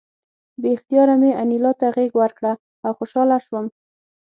بې اختیاره مې انیلا ته غېږ ورکړه او خوشحاله شوم